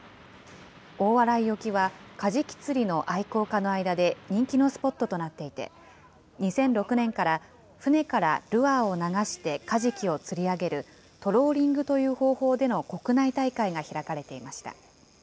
大洗沖はカジキ釣りの愛好家の間で人気のスポットとなっていて、２００６年から船からルアーを流してカジキを釣り上げるトローリングという方法での国内大会が開かれていました。